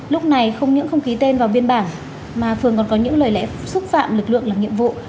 lúc này không những không ký tên vào biên bản mà phường còn có những lời lẽ xúc phạm lực lượng làm nhiệm vụ